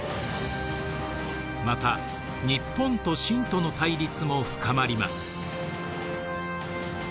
また日本と清との対立も深まります。